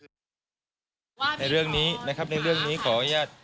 ในเรื่องนี้นะครับในเรื่องนี้ขออนุญาต